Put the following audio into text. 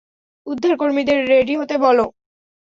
উদ্ধারকর্মীদের ready হতে বলো।